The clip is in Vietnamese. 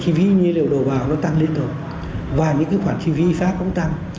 chi phí nhiên liệu đồ vào nó tăng lên rồi và những khoản chi phí phát cũng tăng